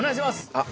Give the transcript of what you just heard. あっ。